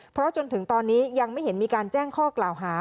เพราะจนถึงตอนนี้ยังไม่เห็นมีการแจ้งข้อกล่าวหา